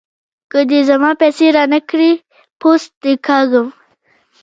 که دې زما پيسې را نه کړې؛ پوست دې کاږم.